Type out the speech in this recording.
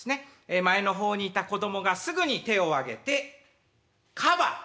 前の方にいた子供がすぐに手を挙げて「カバ」。